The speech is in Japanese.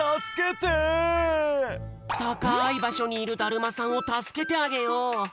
たかいばしょにいるだるまさんをたすけてあげよう。